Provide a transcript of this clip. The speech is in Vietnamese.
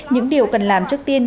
những điều cần làm trước tiên